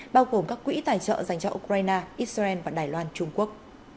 bao gồm các quỹ tài trợ dành cho ukraine israel và đài loan trung quốc